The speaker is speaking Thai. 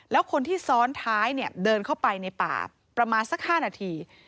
แล้วคนที่ซ้อนท้ายเดินเข้าไปในป่าประมาณสัก๕นาที